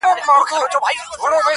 بیا هغه لار ده، خو ولاړ راته صنم نه دی,